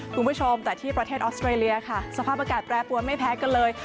คุณผู้ชมแต่ที่ประเทศออสเตรเลียค่ะสภาพอากาศแปรปวนไม่แพ้กันเลย